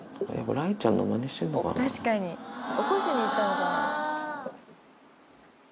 確かに起こしに行ったのかな。